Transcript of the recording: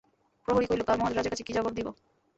প্রহরী কহিল, কাল মহারাজের কাছে কী জবাব দিব?